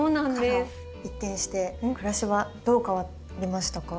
から一転して暮らしはどう変わりましたか？